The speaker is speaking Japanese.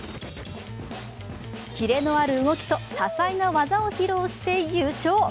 キレのある動きと多彩な技を披露して優勝。